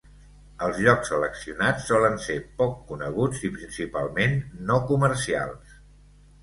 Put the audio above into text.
Els llocs seleccionats solen ser poc coneguts i principalment no comercials.